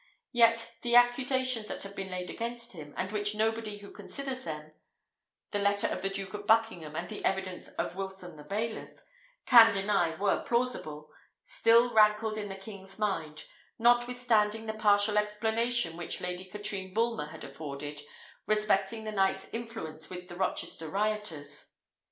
Yet the accusations that had been laid against him, and which nobody who considers them the letter of the Duke of Buckingham, and the evidence of Wilson the bailiff can deny were plausible, still rankled in the king's mind, notwithstanding the partial explanation which Lady Katrine Bulmer had afforded respecting the knight's influence with the Rochester rioters.